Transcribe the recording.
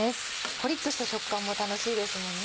コリっとした食感も楽しいですもんね。